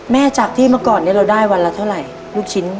จากที่เมื่อก่อนนี้เราได้วันละเท่าไหร่ลูกชิ้น